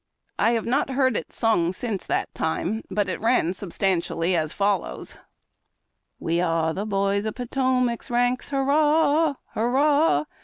I have not heard it sung since .that time, but it ran substantially as follows :— We lire the boys of Potomac's ranks, Hurrah! Hurrah!